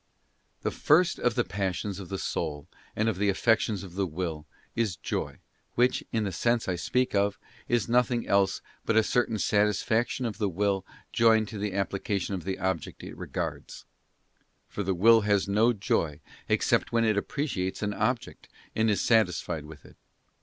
Tue first of the Passions of the soul and of the affections of First the Will is Joy, which, in the sense I speak of, is nothing else but a certain satisfaction of the will joined to the appreciation of the object it regards; for the will has no joy except when it appreciates an object and is satisfied with it.